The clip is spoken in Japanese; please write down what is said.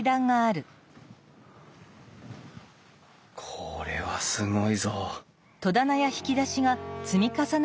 これはすごいぞ！